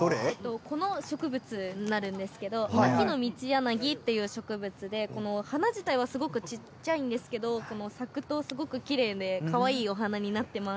この植物になるんですけど、という植物で、この花自体はすごくちっちゃいんですけど、この咲くとすごくきれいで、かわいいお花になってます。